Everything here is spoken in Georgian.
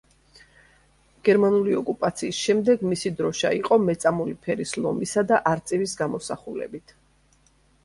გერმანული ოკუპაციის შემდეგ მისი დროშა იყო მეწამული ფერის ლომისა და არწივის გამოსახულებით.